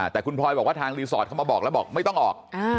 แต่คุณพลอยบอกว่าทางรีสอร์ทเข้ามาบอกแล้วบอกไม่ต้องออก